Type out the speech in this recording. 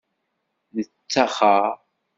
Nettaxer.